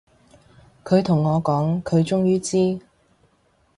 佢同我講，佢終於知